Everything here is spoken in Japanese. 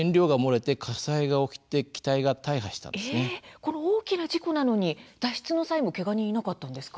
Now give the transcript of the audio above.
この大きな事故なのに脱出の際もけが人いなかったんですか？